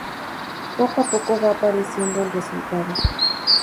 Poco a poco va apareciendo el resultado.